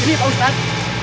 ini pak ustadz